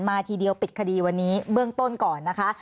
ทีเดียวปิดคดีวันนี้เบื้องต้นก่อนนะคะ